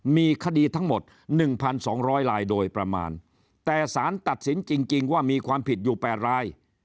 มีคดีทั้งหมด๑๒๐๐ลายโดยประมาณแต่สารตัดสินจริงว่ามีความผิดอยู่๘ราย